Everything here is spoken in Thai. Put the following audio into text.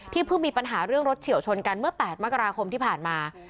เพิ่งมีปัญหาเรื่องรถเฉียวชนกันเมื่อ๘มกราคมที่ผ่านมา